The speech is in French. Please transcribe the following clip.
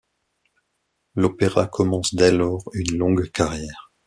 L'opéra commence dès lors une longue carrière.